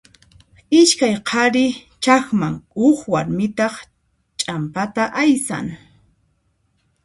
Iskay qhari chaqman, huk warmitaq ch'ampata aysan.